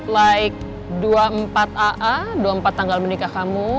like dua puluh empat aa dua puluh empat tanggal menikah kamu